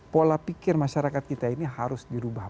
pola pikir masyarakat kita ini harus dirubah